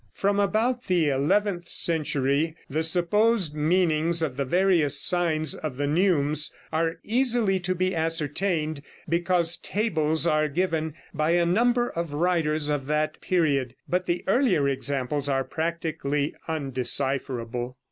From about the eleventh century the supposed meanings of the various signs of the neumes are easily to be ascertained, because tables are given by a number of writers of that period; but the earlier examples are practically undecipherable.